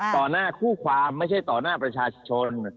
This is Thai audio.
หน้าคู่ความไม่ใช่ต่อหน้าประชาชน